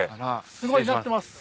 すごいなってます。